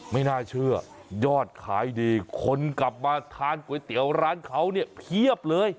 ไม่น่าเชื่อยอดขายดีคนกลับมาทานก๋วยเตี๋ยวร้านเขาเนี่ยเพียบเลย